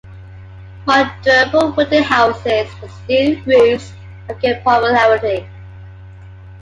More durable wooden houses with steel roofs have gained popularity.